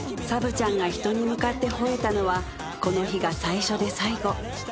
［サブちゃんが人に向かって吠えたのはこの日が最初で最後］